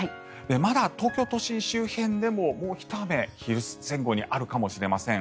まだ東京都心周辺でももうひと雨昼前後にあるかもしれません。